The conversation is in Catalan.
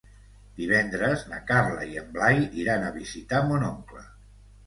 Divendres na Carla i en Blai iran a visitar mon oncle.